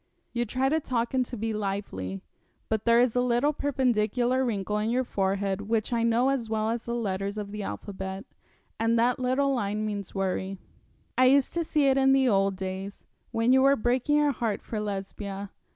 'You try to talk and to be lively, but there is a little perpendicular wrinkle in your forehead which I know as well as the letters of the alphabet, and that little line means worry. I used to see it in the old days, when you were breaking your heart for Lesbia.